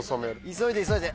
急いで急いで。